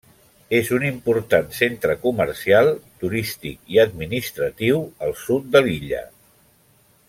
És un important centre comercial, turístic i administratiu al sud de l'illa.